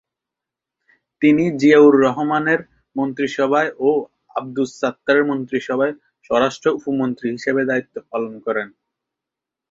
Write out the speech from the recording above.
তিনি জিয়াউর রহমানের মন্ত্রিসভায় ও আবদুস সাত্তারের মন্ত্রিসভায় স্বরাষ্ট্র উপমন্ত্রী হিসেবে দায়িত্ব পালন করেন।